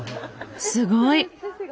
すごい！